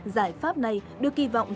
giải pháp này được kỳ vọng